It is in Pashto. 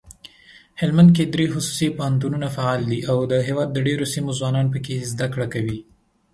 هلمندکې دري خصوصي پوهنتونونه فعال دي اودهیواد دډیروسیمو ځوانان پکښي زده کړه کوي.